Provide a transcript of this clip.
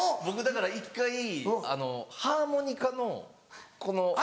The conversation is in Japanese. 僕だから１回ハーモニカのこの。